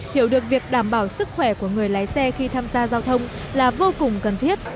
hiểu được việc đảm bảo sức khỏe của người lái xe khi tham gia giao thông là vô cùng cần thiết